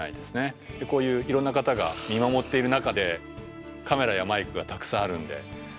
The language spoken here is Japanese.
こういういろんな方が見守っている中でカメラやマイクがたくさんあるんで。